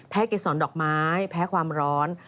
เกษรดอกไม้แพ้ความร้อน